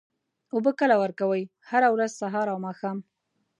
اوبه کله ورکوئ؟ هره ورځ، سهار او ماښام